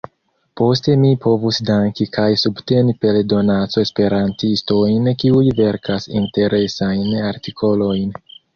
Poste mi povus danki kaj subteni per donaco esperantistojn kiuj verkas interesajn artikolojn.